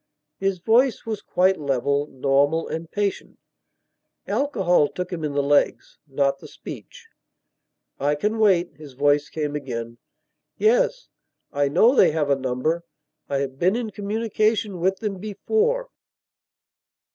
His voice was quite level, normal, and patient. Alcohol took him in the legs, not the speech. "I can wait," his voice came again. "Yes, I know they have a number. I have been in communication with them before."